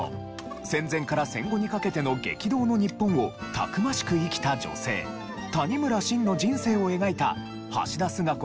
戦前から戦後にかけての激動の日本をたくましく生きた女性谷村しんの人生を描いた橋田壽賀子